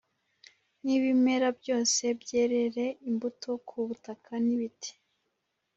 N ibimera byose byerere imbuto ku butaka n ibiti